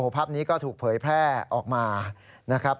ภาพนี้ก็ถูกเผยแพร่ออกมานะครับ